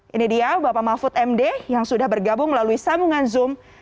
ini dia bapak mahfud md yang sudah bergabung melalui sambungan zoom